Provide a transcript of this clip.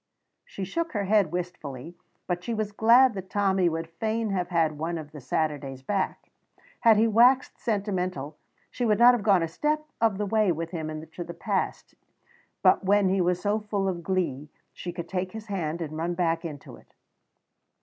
She shook her head wistfully, but she was glad that Tommy would fain have had one of the Saturdays back. Had he waxed sentimental she would not have gone a step of the way with him into the past, but when he was so full of glee she could take his hand and run back into it.